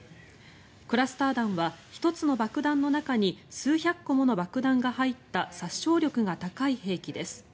クラスター弾は１つの爆弾の中に数百個もの爆弾が入った殺傷力が高い兵器です。